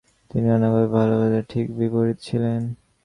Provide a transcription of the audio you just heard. তিনি নানাভাবে ভলতেয়ারের ঠিক বিপরীত ছিলেন।